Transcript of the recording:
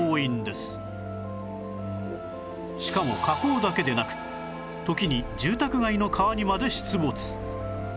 しかも河口だけでなく時に住宅街の川にまで出没